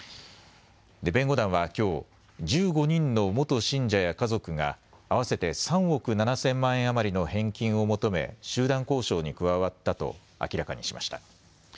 弁護団はきょう、１５人の元信者や家族が合わせて３億７０００万円余りの返金を求め集団交渉に加わったと明らかにしました。